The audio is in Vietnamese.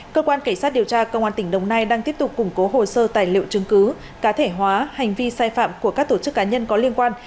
cơ quan cảnh sát điều tra công an tỉnh đồng nai đang tiếp tục củng cố hồ sơ tài liệu chứng cứ cá thể hóa hành vi sai phạm của các tổ chức cá nhân có liên quan